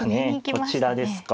こちらですか。